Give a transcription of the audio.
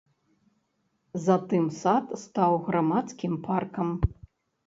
Затым сад стаў грамадскім паркам.